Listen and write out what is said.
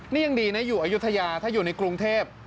นี่ยังดีนะอยู่อายุทยาถ้าอยู่ในกรุงเทพ